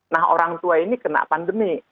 nah orang tua ini kena pandemi